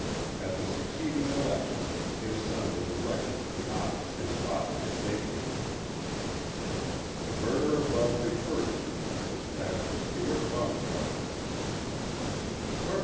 At the succeeding election his son was elected to the office his father had vacated. The murder above referred to was that of Stewart Baumgartner.